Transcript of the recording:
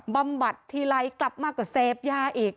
บำบัดทีไรกลับมาก็เสพยาอีก